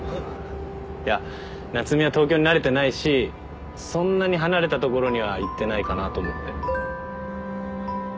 いや夏海は東京に慣れてないしそんなに離れた所には行ってないかなと思って。